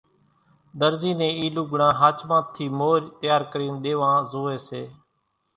ۮرزي نين اِي لوڳڙان ۿاچمان ٿي مور تيار ڪرين ۮيوان زوئي سي